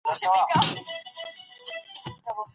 الله تعالی له داسي ميرمني څخه څه ورکوي؟